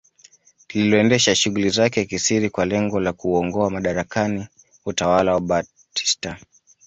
Lililoendesha shughuli zake kisiri kwa lengo la kuungoa madarakani utawala wa Batista